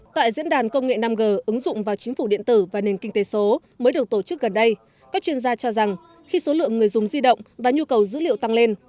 tại diễn đàn công nghệ năm g ứng dụng vào chính phủ điện tử và nền kinh tế số mới được tổ chức gần đây các chuyên gia cho rằng khi số lượng người dùng di động và nhu cầu dữ liệu tăng lên